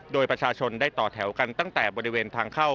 โดยประชาชนได้ต่อแถวกันตั้งแต่บริเวณทางเข้า